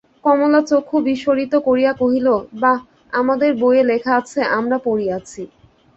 কমলা চক্ষু বিস্ফারিত করিয়া কহিল, বাঃ, আমাদের বইয়ে লেখা আছে–আমরা পড়িয়াছি।